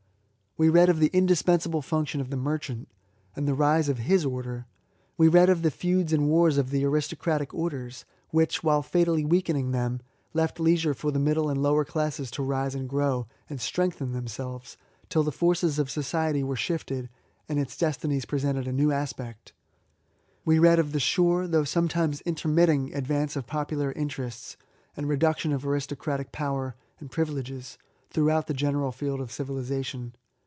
We read of the indispensable func tion of the Merchant, and the rise of his order. We read of the feuds and wars of the aristocratic orders, which, while fatally weakening them, left leisure for the middle and lower classes to rise and grow, and strengthen themselves, till the forces of society were shifted, and its destinies presented a new aspect. We read of the sure, though some times intermitting, advance of popular interests, and reduction of aristocratic power and privileges, throughout the general field of civilisation.